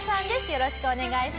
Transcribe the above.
よろしくお願いします。